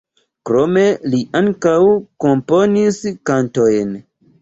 Krome li ankaŭ komponis kantojn.